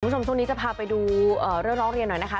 คุณผู้ชมช่วงนี้จะพาไปดูเรื่องร้องเรียนหน่อยนะคะ